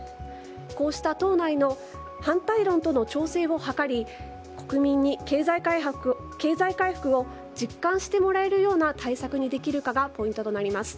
こうした党内の反対論との調整を図り国民に経済回復を実感してもらえるような対策にできるかがポイントとなります。